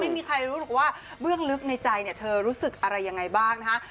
ไม่มีใครรู้หรอกว่าเบื้องลึกในใจเนี่ยเธอรู้สึกอะไรยังไงบ้างนะฮะ